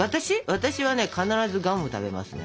私はね必ずガムを食べますね。